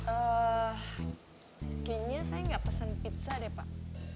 eh kayaknya saya gak pesen pizza deh pak